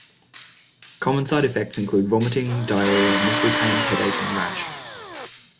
Common side effects include vomiting, diarrhea, muscle pain, headache, and rash.